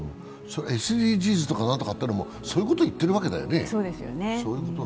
ＳＤＧｓとかっていうのもそういうことを言ってるってことだよね。